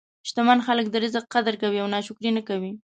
شتمن خلک د رزق قدر کوي او ناشکري نه کوي.